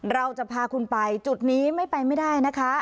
เราจะพาคุณไปจุดนี้ไม่ไปไม่ได้นะคะ